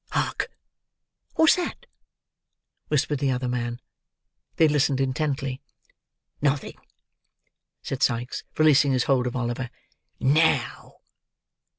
Hark!" "What's that?" whispered the other man. They listened intently. "Nothing," said Sikes, releasing his hold of Oliver. "Now!"